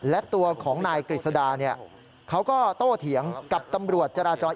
และตัวของนายกฤษดาเขาก็โตเถียงกับตำรวจจราจร